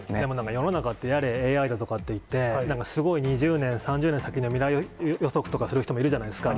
世の中で、やれＡＩだとかいって、なんかすごい２０年、３０年先の未来予測とか、する人もいるじゃないですか。